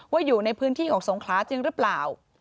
อยู่ในพื้นที่ของสงคลาจริงหรือเปล่า